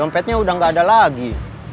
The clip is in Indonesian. dompetnya udah nggak ada lagi